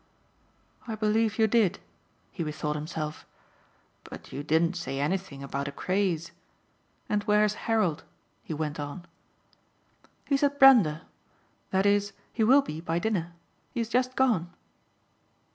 "I believe you did," he bethought himself, "but you didn't say anything about a craze. And where's Harold?" he went on. "He's at Brander. That is he will be by dinner. He has just gone."